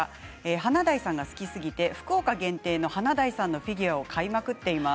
華大さんが好きすぎて福岡限定の華大さんのフィギュアを買いまくっています。